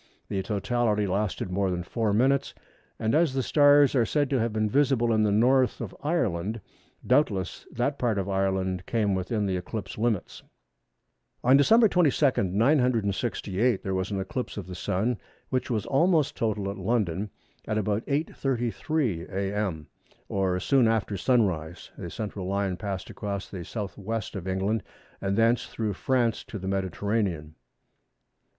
The totality lasted more than four minutes, and as the stars are said to have been visible in the North of Ireland, doubtless that part of Ireland came within the eclipse limits. On Dec. 22, 968, there was an eclipse of the Sun, which was almost total at London at about 8h. 33m. a.m., or soon after sunrise. The central line passed across the S. W. of England, and thence through France to the Mediterranean.